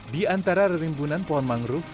di antara rimbunan pohon mangrove